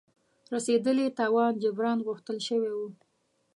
رسېدلي تاوان جبران غوښتل شوی وو.